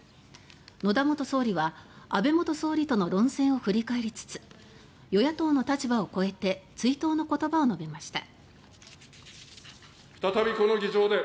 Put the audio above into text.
野田元総理は、安倍元総理との論戦を振り返りつつ与野党の立場を超えて追悼の言葉を述べました。